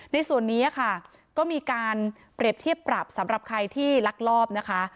ในส่วนนี้ค่ะก็มีการเปรียบเทียบปรับสำหรับใครที่ลักลอบนะคะ